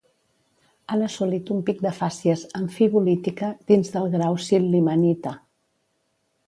Han assolit un pic de fàcies amfibolítica, dins del grau sil·limanita.